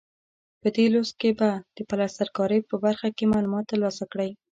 په دې لوست کې به د پلستر کارۍ په برخه کې معلومات ترلاسه کړئ.